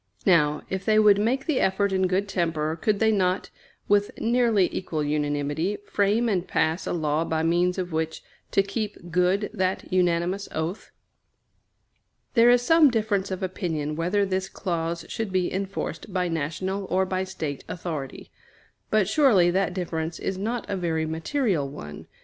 Now, if they would make the effort in good temper, could they not, with nearly equal unanimity, frame and pass a law by means of which to keep good that unanimous oath? There is some difference of opinion whether this clause should be enforced by national or by State authority; but surely that difference is not a very material one.